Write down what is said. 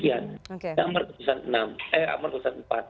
amar keputusan empat